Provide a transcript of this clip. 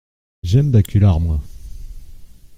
J’aime Baculard, moi !